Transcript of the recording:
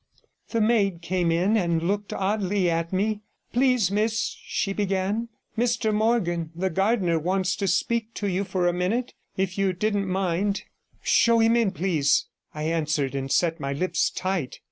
The maid came in and looked oddly at me. 'Please, miss,' she began, 'Mr Morgan, the gardener, wants to speak to you for a minute, if you didn't mind.' 70 'Show him in, please,' I answered, and set my lips tight.